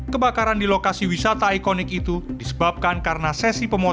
kebakaran di lokasi wisata ikonik itu disebabkan karena sesi pemotongan